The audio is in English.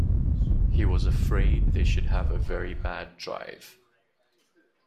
He was afraid they should have a very bad drive.